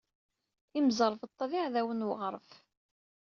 Imẓeṛbeṭṭa d iɛdawen n weɣṛef.